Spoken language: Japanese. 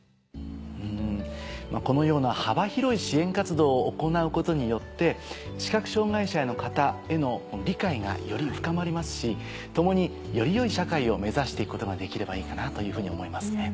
このような幅広い支援活動を行うことによって視覚障がい者の方への理解がより深まりますし共によりよい社会を目指して行くことができればいいかなというふうに思いますね。